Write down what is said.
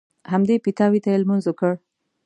همدې پیتاوي ته یې لمونځ وکړ.